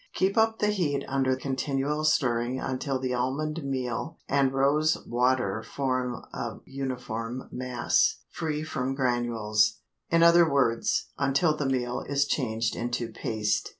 Keep up the heat under continual stirring until the almond meal and rose water form a uniform mass free from granules; in other words, until the meal is changed into paste.